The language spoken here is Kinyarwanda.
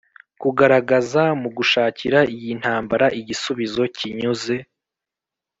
kugaragaza mu gushakira iyi ntambara igisubizo kinyuze